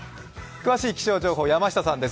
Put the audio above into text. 詳しい気象情報、山下さんです。